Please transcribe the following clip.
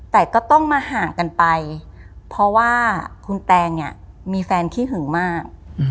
แต่ก็ต้องมาห่างกันไปเพราะว่าคุณแตงเนี่ยมีแฟนขี้หึงมาก